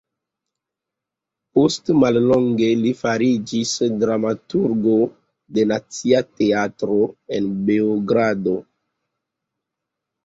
Post mallonge li fariĝis dramaturgo de Nacia Teatro en Beogrado.